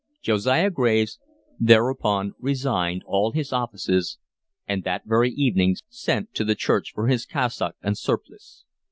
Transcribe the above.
Josiah Graves thereupon resigned all his offices, and that very evening sent to the church for his cassock and surplice.